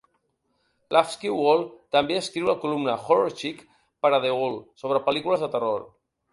Lafsky Wall també escriu la columna "Horror Chick" per a The Awl sobre pel·lícules de terror.